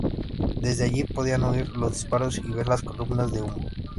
Desde allí podían oír los disparos y ver las columnas de humo.